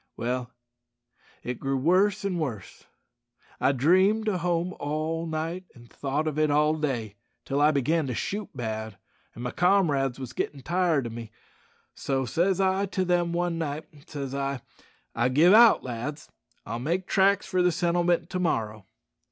"Well, it grew worse and worse. I dreamed o' home all night an' thought of it all day, till I began to shoot bad, an' my comrades wos gittin' tired o' me; so says I to them one night, says I, 'I give out, lads; I'll make tracks for the settlement to morrow.'